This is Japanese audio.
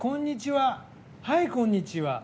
はい、こんにちは。